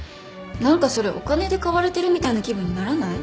何かそれお金で買われてるみたいな気分にならない？